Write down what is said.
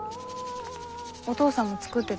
お父さんも作ってだの？